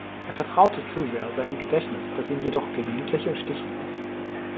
Er vertraute zu sehr seinem Gedächtnis, das ihn jedoch gelegentlich im Stich ließ.